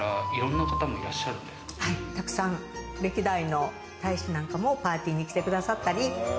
たくさん歴代の大使なんかもパーティーに来てくださったり。